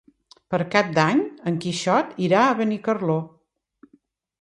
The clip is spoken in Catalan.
Per Cap d'Any en Quixot irà a Benicarló.